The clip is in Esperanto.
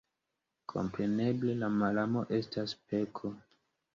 Kompreneble, la malamo estas peko.